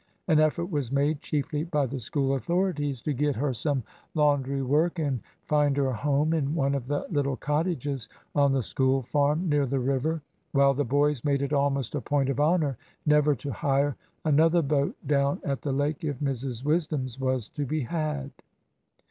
An effort was made, chiefly by the School authorities, to get her some laundry work, and find her a home in one of the little cottages on the School farm, near the river; while the boys made it almost a point of honour never to hire another boat down at the lake if Mrs Wisdom's was to be had.